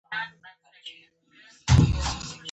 نو د هغو پټې او عضلات واقعي چې کمزوري وي